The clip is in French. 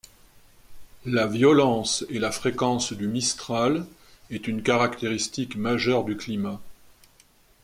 La violence et la fréquence du mistral est une caractéristique majeure du climat.